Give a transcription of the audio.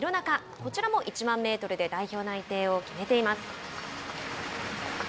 こちらも１００００メートルで代表内定を決めています。